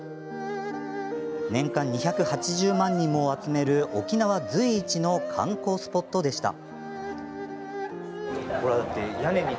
年間２８０万人もを集める沖縄随一の観光スポットでした。